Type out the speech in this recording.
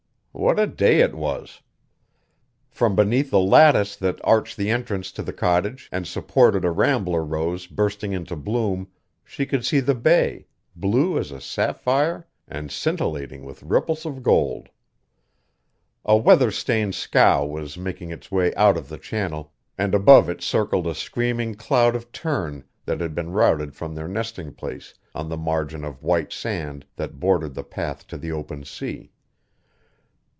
What a day it was! From beneath the lattice that arched the entrance to the cottage and supported a rambler rose bursting into bloom she could see the bay, blue as a sapphire and scintillating with ripples of gold. A weather stained scow was making its way out of the channel, and above it circled a screaming cloud of tern that had been routed from their nesting place on the margin of white sand that bordered the path to the open sea.